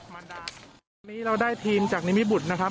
มันดาตอนนี้เราได้ทีมจากนิมิบุตรนะครับ